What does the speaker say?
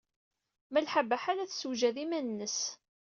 Malḥa Baḥa la tessewjad iman-nnes.